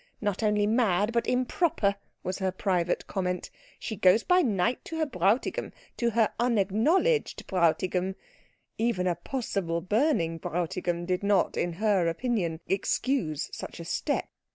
"Not only mad, but improper," was her private comment. "She goes by night to her Bräutigam to her unacknowledged Bräutigam." Even a possible burning Bräutigam did not, in her opinion, excuse such a step.